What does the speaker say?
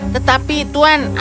tetapi tuan aku bahkan lupa